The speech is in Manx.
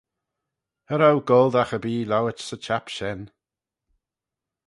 Cha row goaldagh erbee lowit 'sy çhapp shen.